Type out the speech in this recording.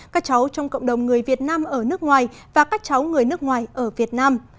các cháu trong cộng đồng người việt nam ở nước ngoài và các cháu người nước ngoài ở việt nam